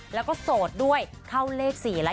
แล้วก็โสดด้วยเข้าเลข๔แล้ว